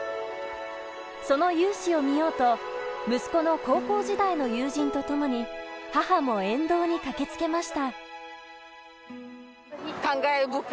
その雄姿を見ようと、息子の高校時代の友人とともに母も沿道に駆けつけました。